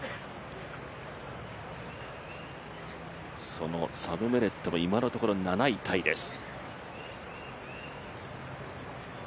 そのサム・ベネットも今のところ７位タイです。